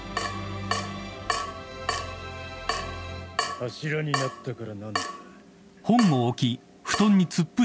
柱になったから何だ。